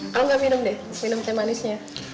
kalo gak minum deh minum teh manisnya